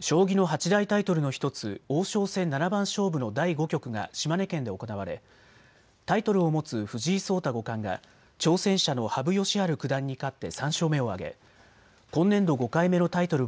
将棋の八大タイトルの１つ王将戦七番勝負の第５局が島根県で行われタイトルを持つ藤井聡太五冠が挑戦者の羽生善治九段に勝って３勝目を挙げ今年度５回目のタイトル